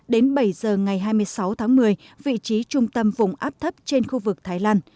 đến bảy giờ ngày hai mươi sáu tháng một mươi vị trí trung tâm vùng áp thấp trên khu vực thái lan